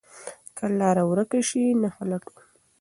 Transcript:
که لاره ورکه شي، نښه لټو.